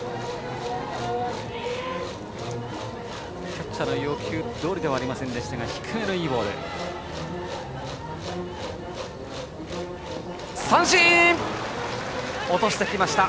キャッチャーの要求どおりではありませんでしたが低めのいいボールでした。